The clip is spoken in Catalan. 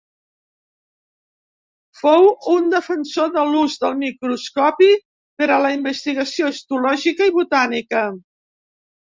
Fou un defensor de l'ús del microscopi per a la investigació histològica i botànica.